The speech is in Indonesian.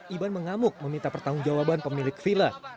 iban mengamuk meminta pertanggung jawaban pemilik villa